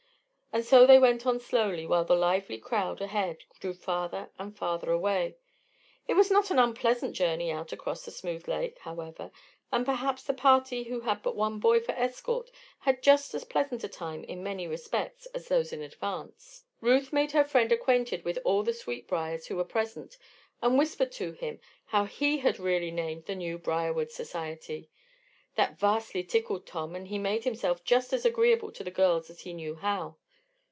And so they went on slowly, while the lively crowd ahead drew farther and farther away. It was not an unpleasant journey out across the smooth lake, however, and perhaps the party who had but one boy for escort had just as pleasant a time in many respects as those in advance. Ruth made her friend acquainted with all the Sweetbriars who were present and whispered to him how he had really named the new Briarwood society. That vastly tickled Tom and he made himself just as agreeable to the girls as he knew how.